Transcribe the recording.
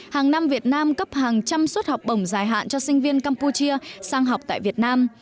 hàng năm việt nam cấp hàng trăm suất học bổng dài hạn cho sinh viên campuchia sang học tại việt nam